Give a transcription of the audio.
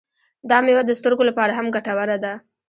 دا میوه د سترګو لپاره هم ګټوره ده.